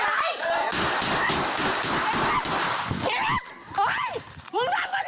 ไอ้เอกมึงเป็นเจ้าหมาดิ